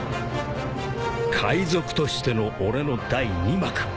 ［海賊としての俺の第二幕］